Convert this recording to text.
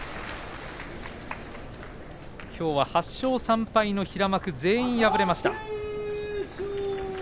きょうは８勝３敗の平幕全員、敗れました。